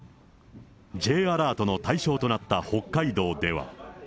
Ｊアラートの対象となった北海道では。